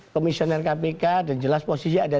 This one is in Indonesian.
komisioner kpk dan jelas posisi ada